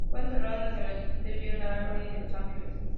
Fue enterrado en el Cementerio Calvary de Los Ángeles.